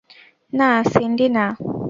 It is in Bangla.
না, সিন্ডি, না!